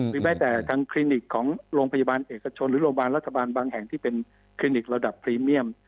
แม้แต่ทางคลินิกของโรงพยาบาลเอกชนหรือโรงพยาบาลรัฐบาลบางแห่งที่เป็นคลินิกระดับพรีเมียม